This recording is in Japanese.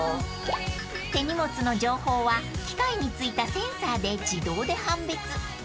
［手荷物の情報は機械に付いたセンサーで自動で判別］